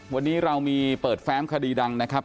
วันนี้เรามีเปิดแฟ้มคดีดังนะครับ